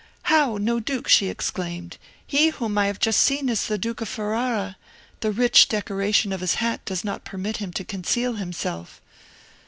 "How, no duke!" she exclaimed. "He whom I have just seen is the Duke of Ferrara; the rich decoration of his hat does not permit him to conceal himself."